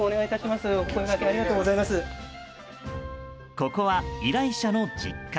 ここは依頼者の実家。